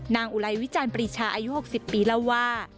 นางอุไรวิจารณ์ปริชาอายุ๖๐ปีแล้วว่า